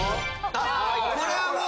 これはもう。